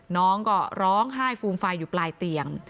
น้องก็ร้องไห้ฟูมฟายอยู่ปลายเตียง